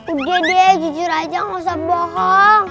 udah deh jujur aja nggak usah bohong